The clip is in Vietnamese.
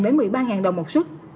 đến một mươi ba đồng một xuất